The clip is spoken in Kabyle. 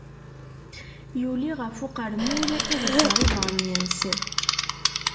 Yulin ɣef uqermud, iḍegger ibernas.